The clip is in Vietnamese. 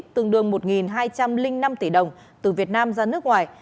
tương đương một hai trăm linh năm tỷ đồng từ việt nam ra nước ngoài